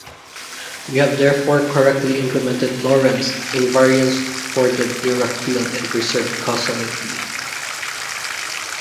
We have therefore correctly implemented Lorentz invariance for the Dirac field, and preserved causality.